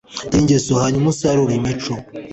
tera ingeso hanyuma usarure imico